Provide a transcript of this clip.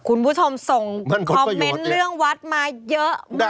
คุณผู้ชมส่งคอมเมนต์เรื่องวัดมาเยอะมาก